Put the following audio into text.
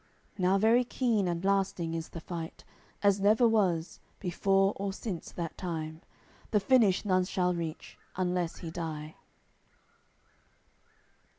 Now very keen and lasting is the fight, As never was, before or since that time; The finish none shall reach, unless he die.